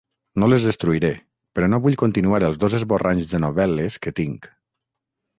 No les destruiré, però no vull continuar els dos esborranys de novel·les que tinc...